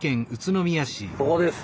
ここです。